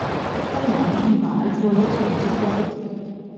Her launch and barge were also destroyed.